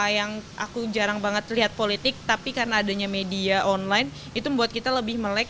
yang aku jarang banget lihat politik tapi karena adanya media online itu membuat kita lebih melek